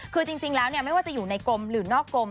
คือจริงแล้วไม่ว่าจะอยู่ในกรมหรือนอกกลม